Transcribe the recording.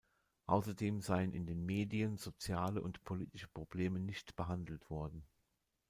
Außerdem seien in den Medien soziale und politische Probleme nicht behandelt worden.